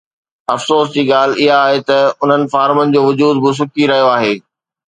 افسوس جي ڳالهه اها آهي ته انهن فارمن جو وجود به سڪي رهيو آهي.